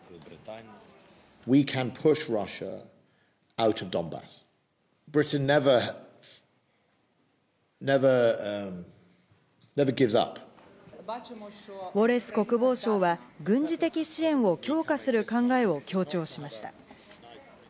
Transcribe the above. ウォレス国防相は軍事的支援を強化する考えを強調しました。